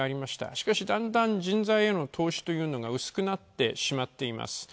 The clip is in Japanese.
しかし、だんだん人材への投資というのが薄くなってしまっています。